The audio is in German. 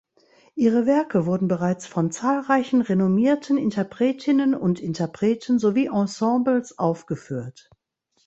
Ihre Werke wurden bereits von zahlreichen renommierten Interpretinnen und Interpreten sowie Ensembles aufgeführt.